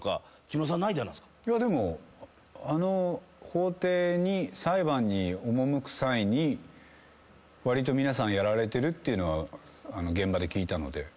でもあの法廷に裁判に赴く際にわりと皆さんやられてるっていうのは現場で聞いたので。